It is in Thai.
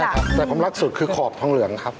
ใช่ครับแต่ผมรักสุดคือขอบทองเหลืองครับ